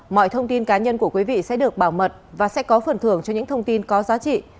mọi thông tin cá nhân của quý vị sẽ được bảo mật và sẽ có phần thưởng cho những thông tin có giá trị